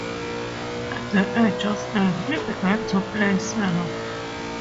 At the age of nine he began to play cello.